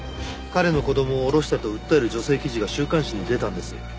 彼の子供を堕ろしたと訴える女性の記事が週刊誌に出たんです。